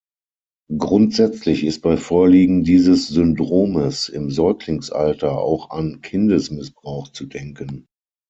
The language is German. Grundsätzlich ist bei Vorliegen dieses Syndromes im Säuglingsalter auch an Kindesmissbrauch zu denken.